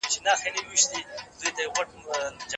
د خوړو لوښي له لمره لرې وچ کړئ.